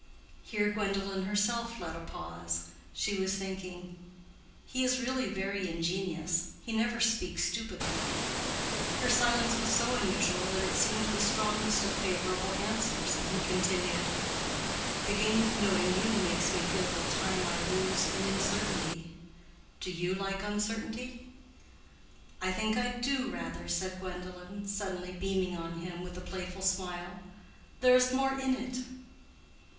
Here Gwendolen herself left a pause. She was thinking, "He is really very ingenious. He never speaks stupidly." Her silence was so unusual that it seemed the strongest of favorable answers, and he continued: "The gain of knowing you makes me feel the time I lose in uncertainty. Do you like uncertainty?" "I think I do, rather," said Gwendolen, suddenly beaming on him with a playful smile. "There is more in it."